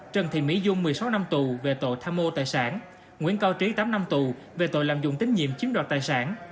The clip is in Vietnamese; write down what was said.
trần thị mỹ dung một mươi sáu năm tù về tội tham mô tài sản nguyễn cao trí tám năm tù về tội lạm dụng tín nhiệm chiếm đoạt tài sản